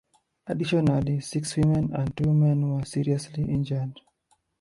Additionally, six women and two men were seriously injured.